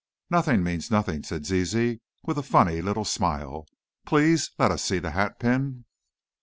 "Nothing means nothing," said Zizi, with a funny little smile. "Please let us see the hatpin."